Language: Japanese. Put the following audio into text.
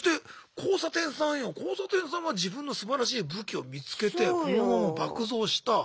交差点さんは自分のすばらしい武器を見つけてフォロワーも爆増した。